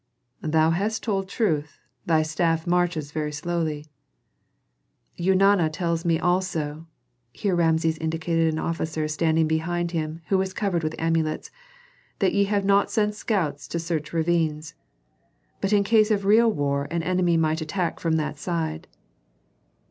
"Thou hast told truth. Thy staff marches very slowly." "Eunana tells me also," here Rameses indicated an officer standing behind him who was covered with amulets, "that ye have not sent scouts to search ravines. But in case of real war an enemy might attack from that side."